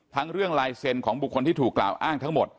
เรื่องลายเซ็นต์ของบุคคลที่ถูกกล่าวอ้างทั้งหมด